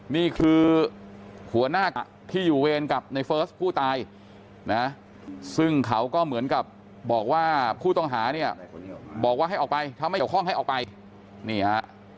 นี่คือหัวหน้าที่อยู่เวรกับในเฟิร์สผู้ตายนะซึ่งเขาก็เหมือนกับบอกว่าผู้ต้องหาเนี่ยบอกว่าให้ออกไปถ้าไม่เกี่ยวข้องให้ออกไปนี่ฮะ